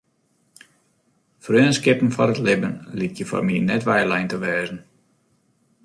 Freonskippen foar it libben lykje foar my net weilein te wêze.